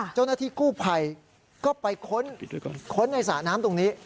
เจ้าหน้าที่กู้ภัยก็ไปค้นในสระน้ำตรงนี้